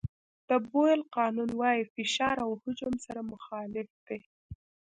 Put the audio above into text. د بویل قانون وایي فشار او حجم سره مخالف دي.